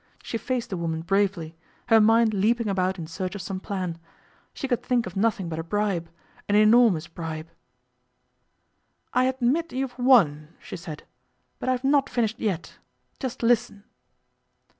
She faced the woman bravely, her mind leaping about in search of some plan. She could think of nothing but a bribe an enormous bribe. 'I admit you've won,' she said, 'but I've not finished yet. Just listen.